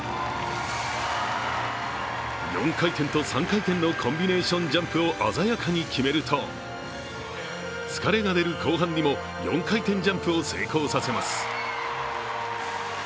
４回転と３回転のコンビネーションジャンプを鮮やかに決めると疲れが出る後半にも４回転ジャンプを成功させます。